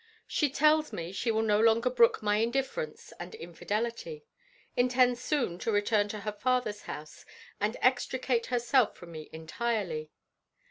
She tells me she will no longer brook my indifference and infidelity; intends soon to return to her father's house, and extricate herself from me entirely.